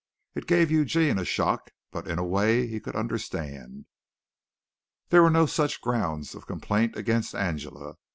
It gave Eugene a shock, but in a way he could understand. There were no such grounds of complaint against Angela.